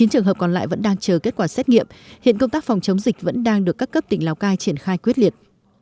chín trường hợp còn lại vẫn đang chờ kết quả xét nghiệm hiện công tác phòng chống dịch vẫn đang được các cấp tỉnh lào cai triển khai quyết liệt